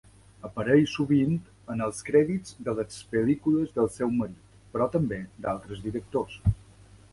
Apareix sovint en els crèdits de les pel·lícules del seu marit, però també d'altres directors.